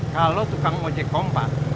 kalo tukang ojek kompa